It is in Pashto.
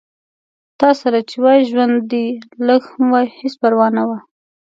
تاسره چې وای ژوند دې لږ هم وای هېڅ پرواه نه وه